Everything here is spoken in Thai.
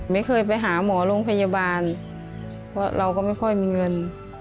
ไปหาหมอโรงพยาบาลเพราะเราก็ไม่ค่อยมีเงิน